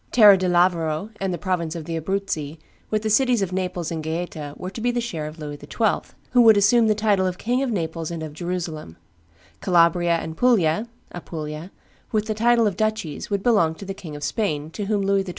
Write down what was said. Terra di Lavoro and the province of the Abruzzi, with the cities of Naples and Gaeta, were to be the share of Louis XII., who would assume the title of King of Naples and of Jerusalem; Calabria and Puglia (Apulia), with the title of duchies, would belong to the King of Spain, to whom Louis XII.